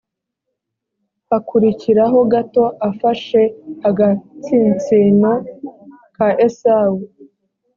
hakurikiraho gato afashe agatsinsino ka esawu